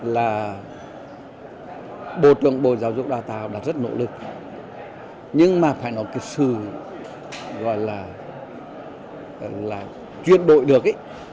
là bộ trưởng bộ giáo dục đào tạo đã rất nỗ lực nhưng mà phải có cái sự gọi là chuyên đội được ấy